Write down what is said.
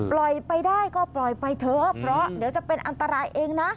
ไปได้ก็ปล่อยไปเถอะเพราะเดี๋ยวจะเป็นอันตรายเองนะ